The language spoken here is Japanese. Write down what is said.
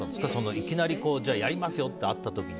いきなり、やりますよって会った時に。